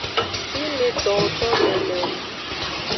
Fine towo dome le o.